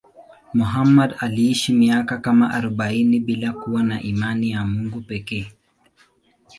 Muhammad aliishi miaka kama arobaini bila kuwa na imani ya Mungu pekee.